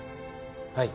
はい。